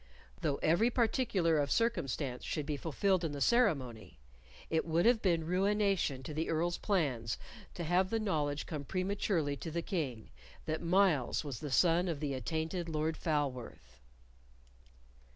Though every particular of circumstance should be fulfilled in the ceremony, it would have been ruination to the Earl's plans to have the knowledge come prematurely to the King that Myles was the son of the attainted Lord Falworth.